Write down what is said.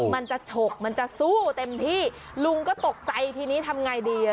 มันจะฉกมันจะสู้เต็มที่ลุงก็ตกใจทีนี้ทำไงดีอ่ะ